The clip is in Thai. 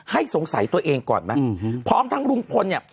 ให้สงสัยตัวเองก่อนไหมพร้อมทั้งลุงพลเนี่ย